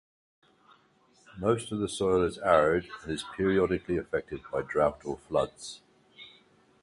Most of the soil is arid and is periodically affected by drought or floods.